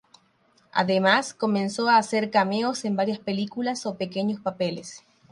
Además comenzó a hacer cameos en varias películas o pequeños papeles.